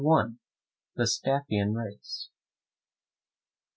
THE STAFFIAN RACE.